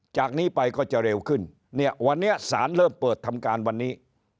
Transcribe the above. จากนี้ไปก็จะเร็วขึ้นเนี่ยวันนี้สารเริ่มเปิดทำการวันนี้